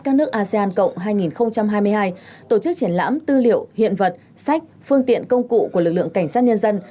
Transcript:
các nước asean cộng hai nghìn hai mươi hai tổ chức triển lãm tư liệu hiện vật sách phương tiện công cụ của lực lượng cảnh sát nhân dân